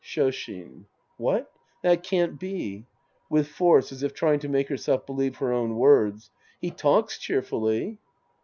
Shoshin. What? That can't be. {With force, as if trying to make herself believe her own words) He talks cheerfully.